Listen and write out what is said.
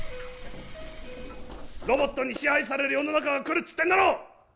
ロボットに支配される世の中が来るっつってんだろ！